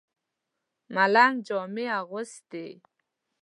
ملنګ جامې اغوستې.